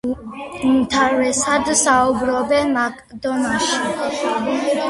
უმთავრესად საუბრობენ მაკედონიაში.